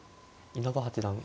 稲葉八段